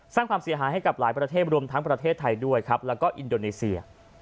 สร้างความเสียหายให้กับหลายประเทศรวมทั้งประเทศไทยด้วยครับแล้วก็อินโดนีเซีย